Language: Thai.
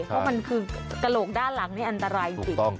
ถ้ามันกะโหลกอันยาด้านหลังนี่อันทราย